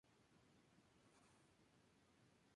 Es la hermana menor de la actriz Griselda Siciliani.